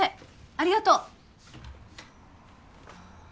ありがと。